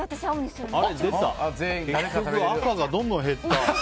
赤がどんどん減った。